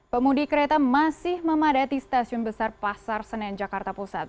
pemudi kereta masih memadati stasiun besar pasar senen jakarta pusat